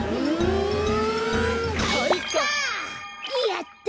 やった！